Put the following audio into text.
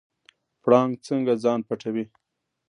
پړانګ څنګه ځان پټوي؟